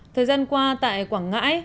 thời gian qua tại quảng ngãi